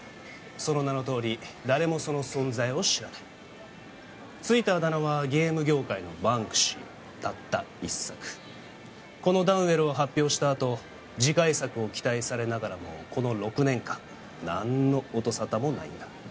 その名のとおり誰もその存在を知らないついたあだ名はゲーム業界のバンクシーたった一作このダウンウェルを発表したあと次回作を期待されながらもこの６年間何の音沙汰もないんだ